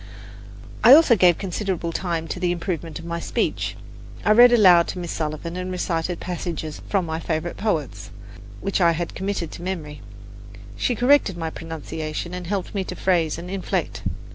I also gave considerable time to the improvement of my speech. I read aloud to Miss Sullivan and recited passages from my favourite poets, which I had committed to memory; she corrected my pronunciation and helped me to phrase and inflect.